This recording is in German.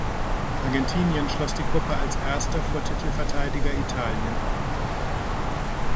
Argentinien schloss die Gruppe als Erster vor Titelverteidiger Italien ab.